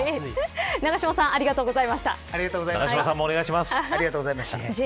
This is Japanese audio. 永島さんありがとうございました。